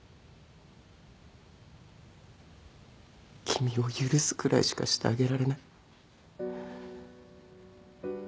君を許すくらいしかしてあげられない。